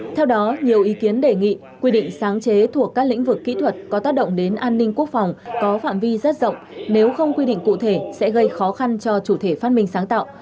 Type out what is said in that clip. theo đó nhiều ý kiến đề nghị quy định sáng chế thuộc các lĩnh vực kỹ thuật có tác động đến an ninh quốc phòng có phạm vi rất rộng nếu không quy định cụ thể sẽ gây khó khăn cho chủ thể phát minh sáng tạo